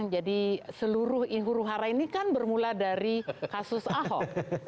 jadi seluruh huru hara ini kan bermula dari kasus ahok